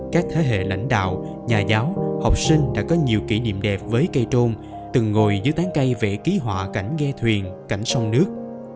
các thế hệ lãnh đạo nhà giáo học sinh đã có nhiều kỷ niệm đẹp với cây trôn từng ngồi dưới tán cây vệ ký họa cảnh ghe thuyền cảnh sông nước